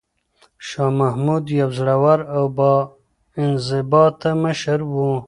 شاه محمود یو زړور او با انضباطه مشر و.